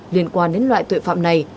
liên quan đến loại tội phạm này